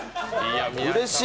うれしい！